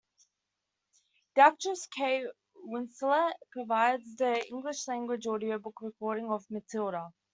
The actress Kate Winslet provides the English-language audiobook recording of "Matilda".